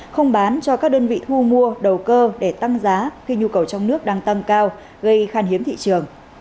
không bán cho các đơn vị thu mua đầu cơ để tăng giá khi nhu cầu trong nước đang tăng cao gây khan hiếm thị trường